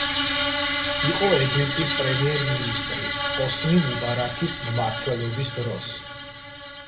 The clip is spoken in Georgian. იყო ეგვიპტის პრემიერ-მინისტრი ჰოსნი მუბარაქის მმართველობის დროს.